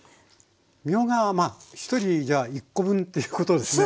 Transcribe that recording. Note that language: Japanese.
みょうがは１人じゃあ１コ分っていうことですね。